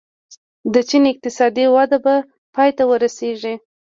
د چین اقتصادي وده به پای ته ورسېږي.